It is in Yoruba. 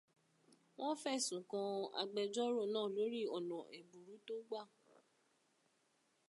Wọ́n fẹ̀sùn kan agbẹjọ́rò náà lórí ọ̀nà ẹ̀bùrú tó gbà.